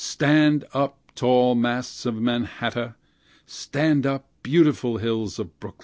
Stand up, tall masts of Mannahatta! stand up, beautiful hills of Brooklyn!